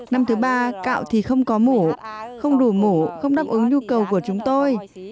năm thứ ba cạo thì không có mũ không đủ mũ không đáp ứng nhu cầu của chúng tôi